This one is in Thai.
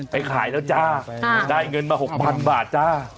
ไปขายแล้วจ้าได้เงินมา๖๐๐๐บาทจ้า